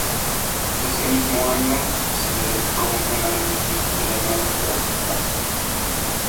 Ese mismo año se le dedicó un álbum tributo llamado "Gracias Martín".